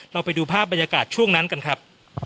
ไปดูภาพบรรยากาศช่วงนั้นกันครับ